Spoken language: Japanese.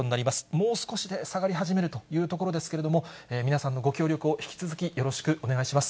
もう少しで下がり始めるというところですけれども、皆さんのご協力を引き続きよろしくお願いします。